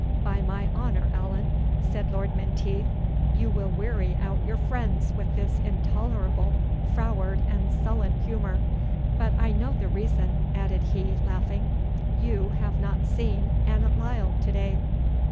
"By my honour, Allan," said Lord Menteith, "you will weary out your friends with this intolerable, froward, and sullen humour But I know the reason," added he, laughing; "you have not seen Annot Lyle to day."